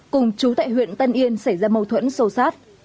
cùng chú tại huyện tân yên xảy ra mâu thuẫn sâu sát